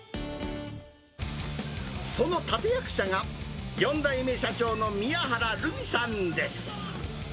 その立て役者が４代目社長の宮原るみさんです。